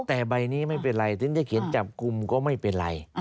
แต่ใบนี้ไม่เป็นไรถึงจะเขียนจับกลุ่มก็ไม่เป็นไร